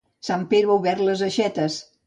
Sant Pere ha obert les aixetes.